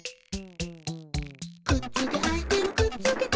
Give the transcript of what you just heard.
「くっつけアイテムくっつけて」